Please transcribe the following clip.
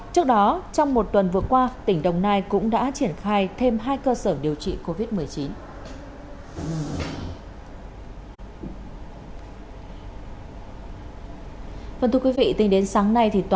trước đó trong một tuần vừa qua tỉnh đồng nai cũng đã triển khai